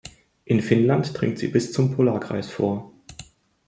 In Finnland dringt sie bis zum Polarkreis vor.